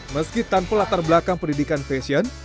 meski tanpa latar belakang pendidikan fashion